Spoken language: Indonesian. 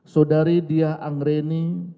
saudari dia angreni